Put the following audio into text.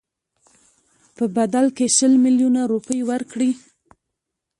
په بدل کې شل میلیونه روپۍ ورکړي.